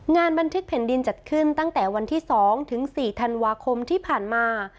บันทึกแผ่นดินจัดขึ้นตั้งแต่วันที่๒ถึง๔ธันวาคมที่ผ่านมา